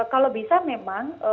kalau bisa memang